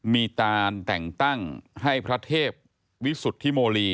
มีการแต่งตั้งให้พระเทพวิสุทธิโมลี